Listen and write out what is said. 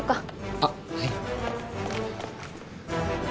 あっはい。